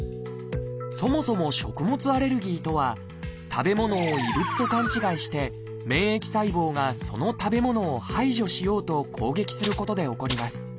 そもそも「食物アレルギー」とは食べ物を異物と勘違いして免疫細胞がその食べ物を排除しようと攻撃することで起こります。